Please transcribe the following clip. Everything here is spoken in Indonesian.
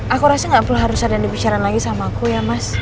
aku rasa gak perlu harus ada yang dibicaraan lagi sama aku ya mas